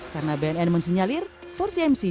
karena bnn mesti nyalir empat cmc jatuh